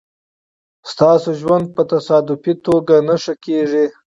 ستاسو ژوند په تصادفي توگه نه ښه کېږي